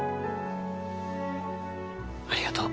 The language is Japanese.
ありがとう。